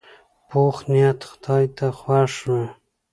پوخ نیت خدای ته خوښ وي